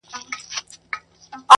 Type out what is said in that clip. خپلو کارو ته ځان رارسوي.